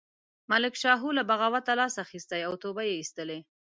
ملک شاهو له بغاوته لاس اخیستی او توبه یې ایستلې.